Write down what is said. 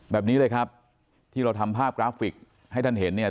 แบบนี้เลยครับที่เราทำภาพกราฟิกให้ท่านเห็นเนี่ย